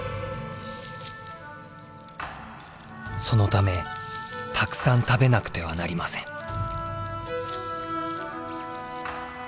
そのためたくさん食べなくてはなりません。